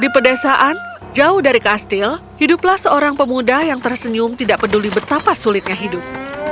di pedesaan jauh dari kastil hiduplah seorang pemuda yang tersenyum tidak peduli betapa sulitnya hidup